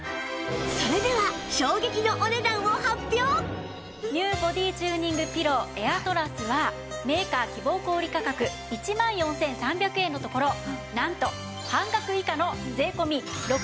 それでは ＮＥＷ ボディチューニングピローエアトラスはメーカー希望小売価格１万４３００円のところなんと半額以下の税込６９８０円です。